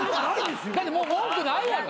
だってもう文句ないやん。